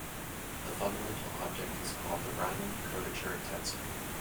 The fundamental object is called the Riemann curvature tensor.